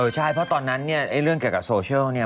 ใช่เพราะตอนนั้นเนี่ยเรื่องเกี่ยวกับโซเชียลเนี่ย